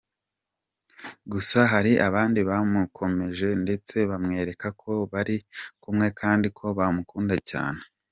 Gusa hari abandi bamukomeje ndetse bamwereka ko bari kumwe kandi ko bamukunda cyane.